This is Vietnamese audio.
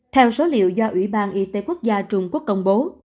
theo số liệu do ủy ban y tế quốc gia trung quốc công bố